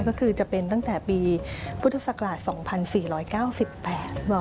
ก็คือจะเป็นตั้งแต่ปีพุทธศักราช๒๔๙๘